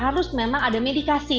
harus memang ada medikasi